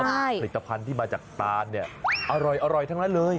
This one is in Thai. ผลิตภัณฑ์ที่มาจากตานเนี่ยอร่อยทั้งนั้นเลย